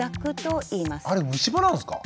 あれむし歯なんですか？